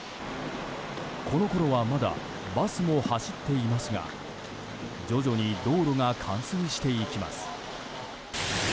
このころはまだバスも走っていますが徐々に道路が冠水していきます。